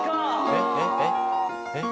えっえっえっ？えっ？